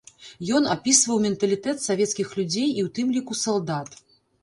Ён апісваў менталітэт савецкіх людзей, і ў тым ліку салдат.